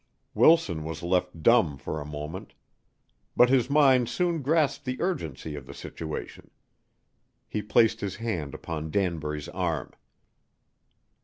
Wilson was left dumb for a moment. But his mind soon grasped the urgency of the situation. He placed his hand upon Danbury's arm.